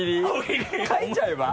書いちゃえば？